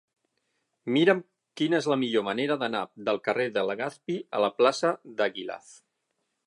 Mira'm quina és la millor manera d'anar del carrer de Legazpi a la plaça d'Eguilaz.